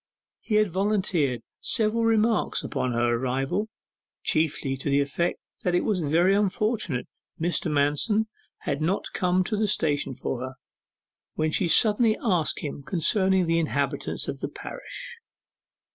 He had volunteered several remarks upon her arrival, chiefly to the effect that it was very unfortunate Mr. Manston had not come to the station for her, when she suddenly asked him concerning the inhabitants of the parish.